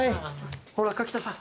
ほら柿田さん